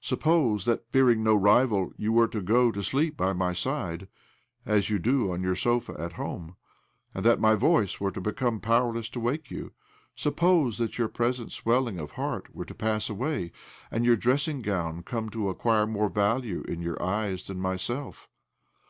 Suppose that, fearing no rival, you were to go to sleep by my side (as you do on your sofa at home), and that my voice were to become powerless to wake you? Suppose that your present swelling of heart were to pass away, and your dressing gown come to acquire more value in your eyes than myself?